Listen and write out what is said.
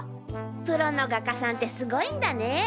プロの画家さんってすごいんだね！